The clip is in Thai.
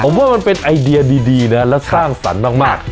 ผมว่ามันเป็นไอเดียดีนะและสร้างสรรค์มาก